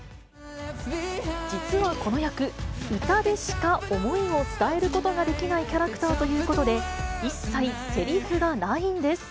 実はこの役、歌でしか思いを伝えることができないキャラクターということで、一切せりふがないんです。